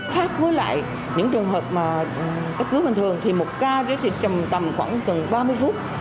khác với lại những trường hợp cấp cứu bình thường thì một ca giới dịch tầm khoảng ba mươi phút